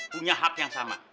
punya hak yang sama